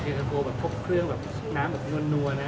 เจนเตอร์โฟร์แบบพวกเครื่องแบบน้ำแบบนัวนะ